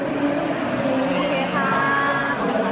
ขอบคุณค่ะ